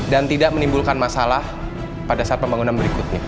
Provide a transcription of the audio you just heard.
dan tidak menimbulkan masalah pada saat pembangunan berikutnya